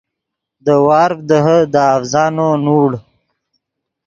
دے وارڤ دیہے دے اڤزانو نوڑ